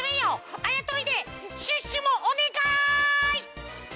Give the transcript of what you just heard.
あやとりでシュッシュもおねがい！